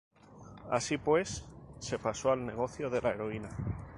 Así pues, se pasó al negocio de la heroína.